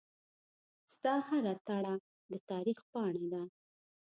ستا هره تړه دتاریخ پاڼه ده